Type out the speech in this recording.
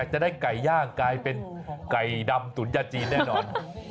จะได้ไก่ย่างกลายเป็นไก่ดำตุ๋นยาจีนแน่นอน